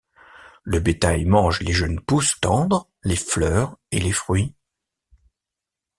Le bétail mange les jeunes pousses tendres, les fleurs et les fruits.